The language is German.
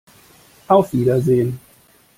Auf Wiedersehen!